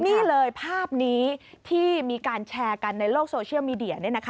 นี่เลยภาพนี้ที่มีการแชร์กันในโลกโซเชียลมีเดีย